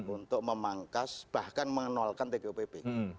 untuk memangkas bahkan mengenalkan tgpp